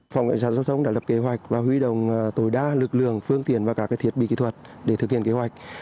phòng cảnh sát giao thông đã lập kế hoạch và huy động tối đa lực lượng phương tiện và các thiết bị kỹ thuật để thực hiện kế hoạch